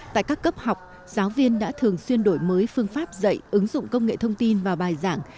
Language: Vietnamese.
tại các cấp học giáo viên đã thường xuyên đổi mới phương pháp dạy ứng dụng công nghệ thông tin và bài giảng